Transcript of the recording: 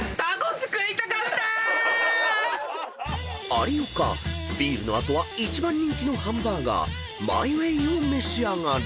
［有岡ビールの後は一番人気のハンバーガーＭＹＷＡＹを召し上がれ］